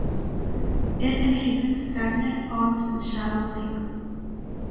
It inhabits stagnant ponds and shallow lakes.